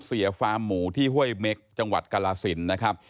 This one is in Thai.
ฟาร์มหมูที่ห้วยเม็กจังหวัดกรสินนะครับ